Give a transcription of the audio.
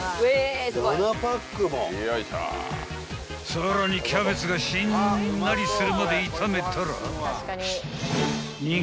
［さらにキャベツがしんなりするまで炒めたら］